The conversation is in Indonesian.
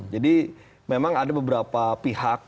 jadi memang ada beberapa pihak